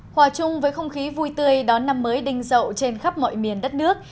hòa chung với không khí vui tươi đón năm mới đinh dậu trên khắp mọi miền đất nước